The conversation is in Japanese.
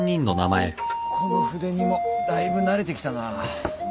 この筆にもだいぶ慣れてきたな。